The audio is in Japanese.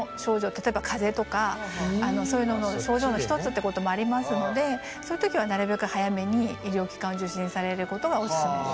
例えば風邪とかそういうのの症状の一つってこともありますのでそういうときはなるべく早めに医療機関を受診されることがオススメです。